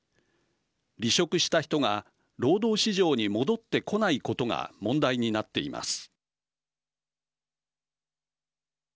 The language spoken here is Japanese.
離職した人が労働市場に戻ってこないことが問題になっています。